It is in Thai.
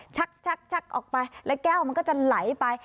ชักออกไปแล้วแก้วมันก็จะไหลไป